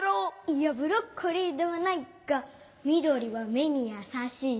いやブロッコリーではない！がみどりはめにやさしい。